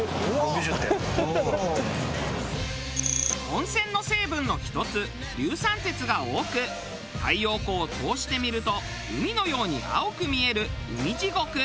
温泉の成分の１つ硫酸鉄が多く太陽光を通して見ると海のように青く見える海地獄。